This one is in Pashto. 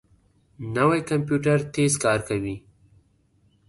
نوی کمپیوټر تېز کار کوي